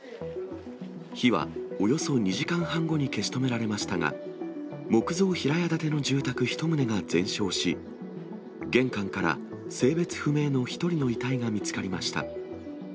火はおよそ２時間半後に消し止められましたが、木造平屋建ての住宅１棟が全焼し、玄関から性別不明の１人の遺体が見つかりました。